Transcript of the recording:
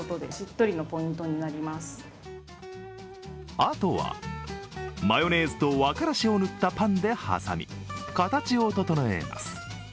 あとは、マヨネーズと和からしを塗ったパンで挟み形を整えます。